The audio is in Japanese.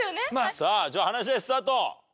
さあじゃあ話し合いスタート。